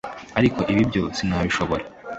Ariko ibi byo sinabishobora